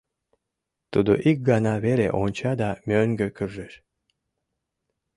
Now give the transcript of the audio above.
Тудо ик гана веле онча да мӧҥгӧ куржеш.